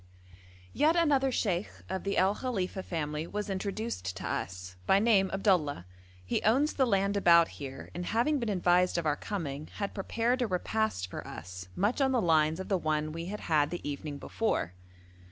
Yet another sheikh of the El Khalifa family was introduced to us, by name Abdullah; he owns the land about here, and having been advised of our coming, had prepared a repast for us, much on the lines of the one we had had the evening before.